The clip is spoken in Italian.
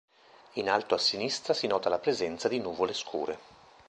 In alto a sinistra si nota la presenza di nuvole scure.